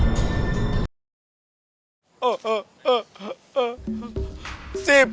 namam siapa pak